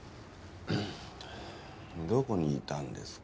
どこにいたんですか？